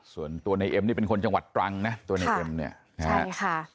ส่วนตัวนายเอ็มเนี่ยเป็นคนจังหวัดตรังนะตัวนายเอ็มเนี่ย